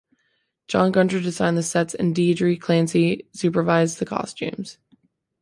John Gunter designed the sets and Deirdre Clancy supervised the costumes.